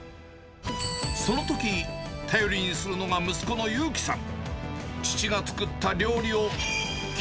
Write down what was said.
そのとき、頼りにするのが息子の勇希さん。